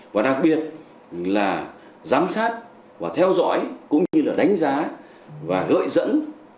và đặc biệt là giám sát và theo dõi cũng như là đánh giá và gợi dẫn